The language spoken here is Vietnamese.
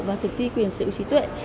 và thực thi quyền sự trí tuệ